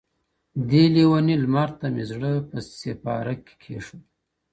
دې لېوني لمر ته مي زړه په سېپاره کي کيښود.